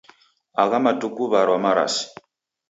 Agha matuku warwa marasi.